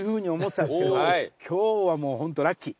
今日はもうホントラッキー。